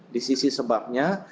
di sisi sebabnya